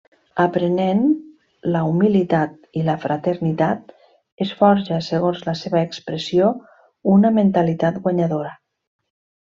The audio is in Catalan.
Aprenent la humilitat i la fraternitat, es forja segons la seva expressió, una mentalitat guanyadora.